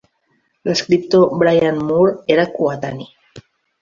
L'escriptor Brian Moore era coetani.